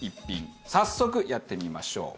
早速やってみましょう。